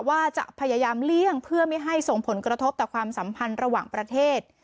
ว่าจะพยายามเลี่ยงเพื่อไม่ให้ส่งผลกระทบต่อความสัมพันธ์ระหว่างประเทศ